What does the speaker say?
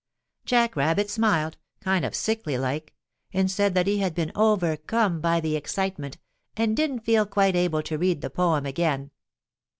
Jack Rabbit smiled, kind of sickly like, and said that he had been overcome by the excitement, and didn't feel quite able to read the poem again.